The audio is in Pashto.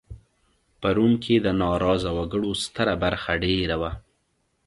په روم کې د ناراضه وګړو ستره برخه دېره وه